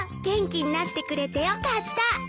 元気になってくれてよかった。